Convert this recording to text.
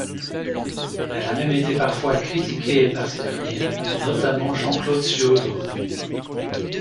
Elle a même été parfois critiquée par ces derniers, notamment Jean-Claude Suaudeau.